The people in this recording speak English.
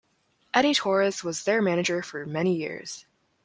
Eddie Torres was their manager for many years.